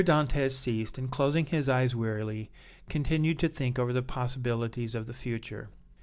Dantès ceased and, closing his eyes wearily, continued to think over the possibilities of the future.